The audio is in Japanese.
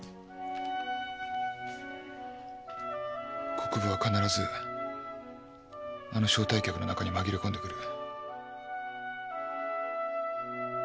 国府は必ずあの招待客の中に紛れ込んでくる。